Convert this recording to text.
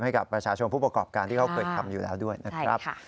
ให้กับประชาชนผู้ประกอบการที่เขาเคยทำอยู่แล้วด้วยนะครับ